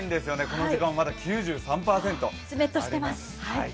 この時間、まだ９３％あります。